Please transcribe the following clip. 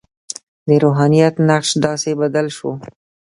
د روحانیت نقش داسې بدل شو.